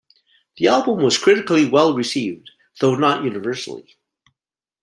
The album was critically well-received, though not universally.